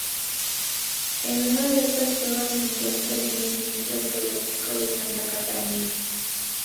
En una de estas cuevas se encuentra el yacimiento arqueológico de Santa Catalina.